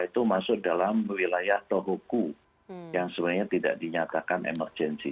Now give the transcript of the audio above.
itu masuk dalam wilayah tohoku yang sebenarnya tidak dinyatakan emergensi